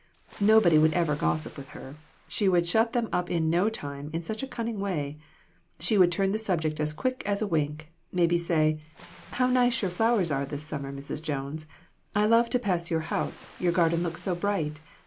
Nobody could ever gossip with her. She would shut them up in no time in such a cunning way. She would turn the subject as quick as a wink, maybe say 'How nice your flowers are this summer, Mrs. Jones. I love to pass your house, your garden looks so bright.